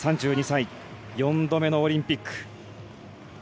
４度目のオリンピック。